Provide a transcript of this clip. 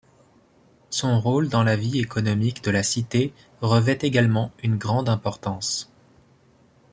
Son rôle dans la vie économique de la cité revêt également une grande importance.